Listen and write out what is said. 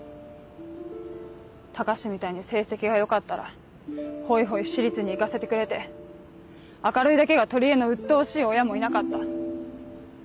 高志みたいに成績が良かったらほいほい私立に行かせてくれて明るいだけが取りえのうっとうしい親もいなかった。